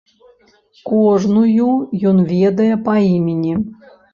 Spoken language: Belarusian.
Кожную ён ведае па імені.